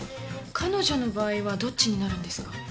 彼女の場合はどっちになるんですか？